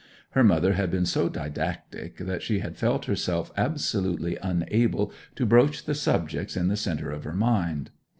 Her mother had been so didactic that she had felt herself absolutely unable to broach the subjects in the centre of her mind.